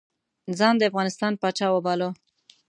ځان د افغانستان پاچا وباله.